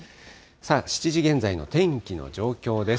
７時現在の天気の状況です。